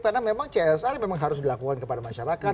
karena memang clsr memang harus dilakukan kepada masyarakat